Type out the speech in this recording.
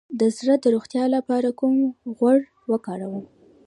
د زړه د روغتیا لپاره کوم غوړ وکاروم؟